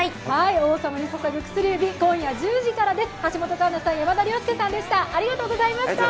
「王様に捧ぐ薬指」、今夜１０時からです。